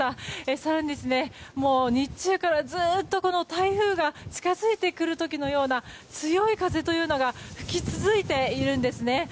更に、日中からずっと台風が近づいてくる時のような強い風というのが吹き続いているんですね。